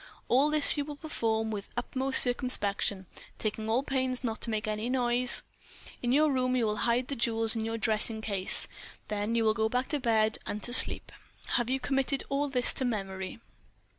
All this you will perform with utmost circumspection, taking all pains not to make any noise. In your room you will hide the jewels in your dressing case. Then you will go back to bed and to sleep. Have you committed all this to memory?"